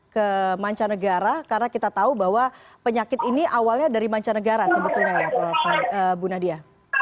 ke mancanegara karena kita tahu bahwa penyakit ini awalnya dari mancanegara sebetulnya ya prof bu nadia